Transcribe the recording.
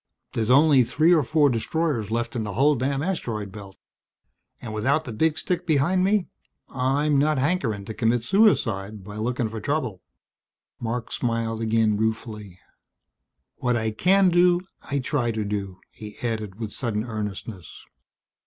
There's only three or four destroyers left in the whole damn Asteroid Belt. And without the big stick behind me I'm not hankering to commit suicide by looking for trouble." Marc smiled again ruefully. "What I can do I try to do," he added with sudden earnestness.